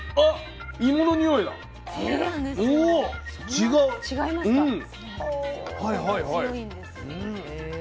違いますか？